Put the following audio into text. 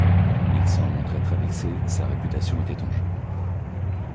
Il s’en montrait très vexé, sa réputation était en jeu.